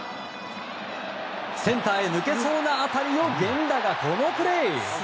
センターへ抜けそうな当たりを源田がこのプレー。